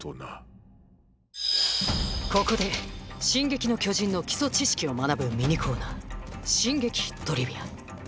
ここで「進撃の巨人」の基礎知識を学ぶミニコーナー「進撃トリビア」。